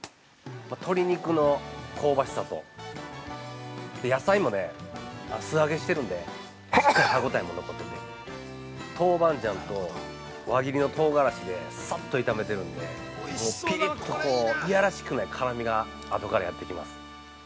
鶏肉の香ばしさと野菜も素揚げしてるんでしっかり歯ごたえも残っていて豆板醤と輪切りの唐辛子でサッと炒めているんでもうピリッと、嫌らしくない辛みが後からやってきます。